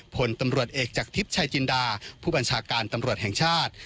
ผลตำรวจเอกจากทิพย์ชายจินดาผู้บัญชาการตำรวจแห่งชาติ